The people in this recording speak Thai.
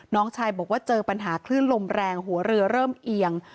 น้องชายบอกว่าเจอปัญหาคลื่นลมแรงหัวเรือเริ่มเอียง